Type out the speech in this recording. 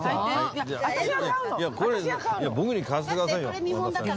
いや僕に買わせてくださいよ。